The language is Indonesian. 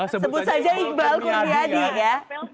sebut saja iqbal kurniadi ya